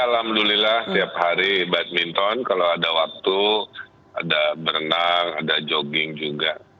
alhamdulillah setiap hari badminton kalau ada waktu ada berenang ada jogging juga